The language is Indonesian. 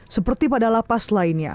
seperti pada lapas lainnya